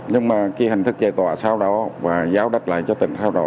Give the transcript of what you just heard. nhưng mà khi hình thức giải tỏa sau đó và giáo đất lại cho tỉnh sau đó